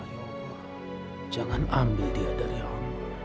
ya allah jangan ambil dia dari allah